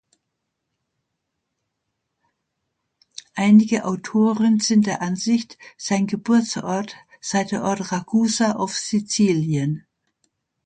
Einige Autoren sind der Ansicht, sein Geburtsort sei der Ort Ragusa auf Sizilien.